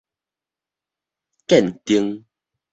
凝 𠕇